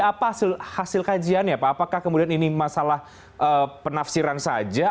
apa hasil kajiannya pak apakah kemudian ini masalah penafsiran saja